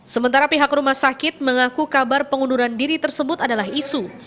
sementara pihak rumah sakit mengaku kabar pengunduran diri tersebut adalah isu